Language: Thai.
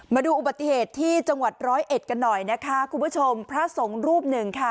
มาดูอุบัติเหตุที่จังหวัดร้อยเอ็ดกันหน่อยนะคะคุณผู้ชมพระสงฆ์รูปหนึ่งค่ะ